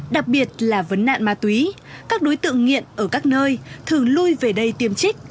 đặc biệt là vấn nạn ma túy các đối tượng nghiện ở các nơi thường lui về đây tiêm trích